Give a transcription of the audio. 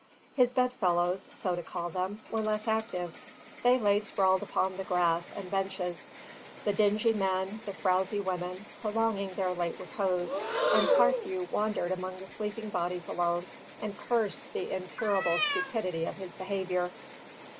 His bed fellows (so to call them) were less active; they lay sprawled upon the grass and benches, the dingy men, the frowsy women, prolonging their late repose; and Carthew wandered among the sleeping bodies alone, and cursed the incurable stupidity of his behaviour.